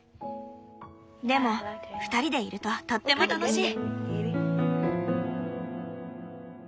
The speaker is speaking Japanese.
でも２人でいるととっても楽しい。